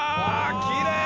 きれい！